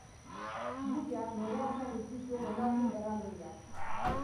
Buia noraezean utzi zuen olatu erraldoiak.